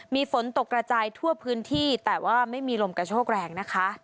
มีฝนตกกระจายทั่วพื้นที่แต่ว่าไม่มีลมกระโชกแรงนะคะ